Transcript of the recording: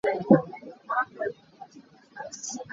Na tangka a eh tik ah adang kan pek lai.